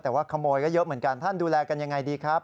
แต่ว่าขโมยก็เยอะเหมือนกันท่านดูแลกันยังไงดีครับ